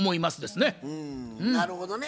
なるほどね。